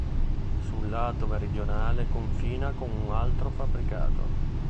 Sul lato meridionale confina con un altro fabbricato.